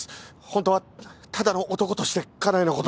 本当はただの男として家内の事。